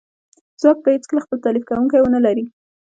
ځواک به هیڅکله خپل تالیف کونکی ونه لري